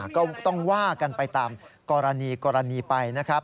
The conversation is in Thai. ก็ต้องว่ากันไปตามกรณีไปนะครับ